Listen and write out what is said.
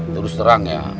terus terang ya